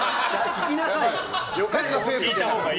聞きなさい！